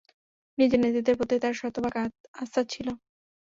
নিজের নেতৃত্বের প্রতি তার শতভাগ আস্থা ছিল।